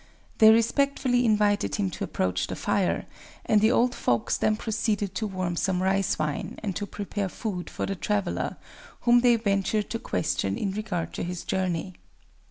They respectfully invited him to approach the fire; and the old folks then proceeded to warm some rice wine, and to prepare food for the traveler, whom they ventured to question in regard to his journey.